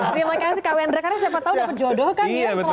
terima kasih kak wendra karena siapa tau dapat jodoh kan ya setelah ini